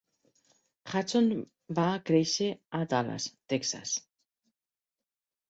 Hutson va créixer a Dallas, Texas.